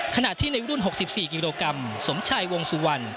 ขณะที่ในรุ่น๖๔กิโลกรัมสมชัยวงสุวรรณ